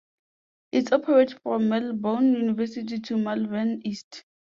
It operates from Melbourne University to Malvern East.